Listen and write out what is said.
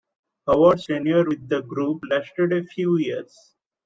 Howard's tenure with the group lasted a few years.